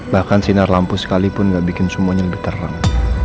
bahkan sinar lampu sekalipun nggak bikin semuanya lebih terang